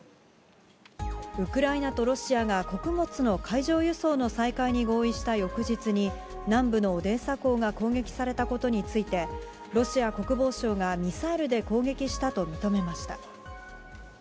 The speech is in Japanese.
ウクライナとロシアが穀物の海上輸送の再開に合意した翌日に、南部のオデーサ港が攻撃されたことについて、ロシア国防省がミサイルで攻撃したと認めました。